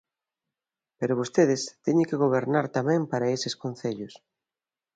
Pero vostedes teñen que gobernar tamén para eses concellos.